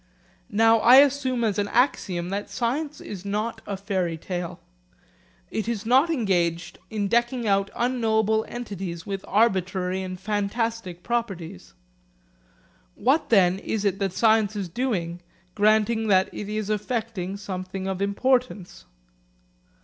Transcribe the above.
Now I assume as an axiom that science is not a fairy tale. It is not engaged in decking out unknowable entities with arbitrary and fantastic properties. What then is it that science is doing, granting that it is effecting something of importance?